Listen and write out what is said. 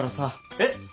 えっ！